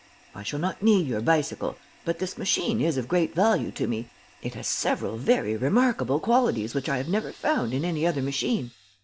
"I shall not need your bicycle, but this machine is of great value to me. It has several very remarkable qualities which I have never found in any other machine.